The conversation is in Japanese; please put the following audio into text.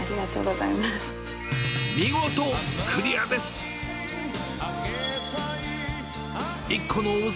見事クリアです。